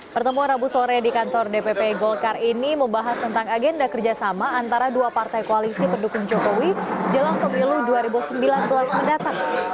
pertemuan rabu sore di kantor dpp golkar ini membahas tentang agenda kerjasama antara dua partai koalisi pendukung jokowi jelang pemilu dua ribu sembilan belas mendatang